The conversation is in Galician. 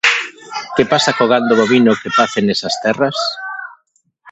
Que pasa co gando bovino que pace nesas terras?